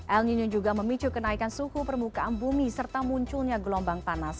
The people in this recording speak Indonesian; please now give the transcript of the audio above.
el nino juga memicu kenaikan suhu permukaan bumi serta munculnya gelombang panas